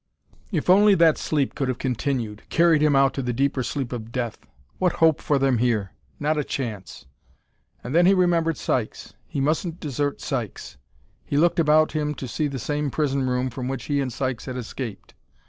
If only that sleep could have continued carried him out to the deeper sleep of death! What hope for them here? Not a chance! And then he remembered Sykes; he mustn't desert Sykes. He looked about him to see the same prison room from which he and Sykes had escaped.